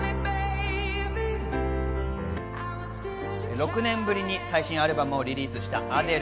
６年ぶりに最新アルバムをリリースしたアデル。